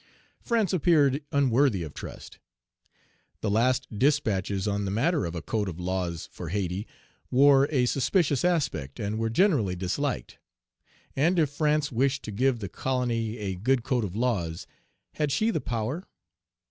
France appeared unworthy of trust. The last dispatches on the matter Page 135 of a code of laws for Hayti wore a suspicious aspect, and were generally disliked. And if France wished to give the colony a good code of laws, had she the power?